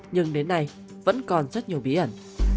nhưng đến nay vẫn còn rất nhiều bí ẩn